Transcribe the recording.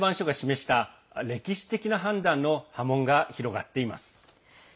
連邦最高裁判所が示した歴史的な判断の波紋が広がっています。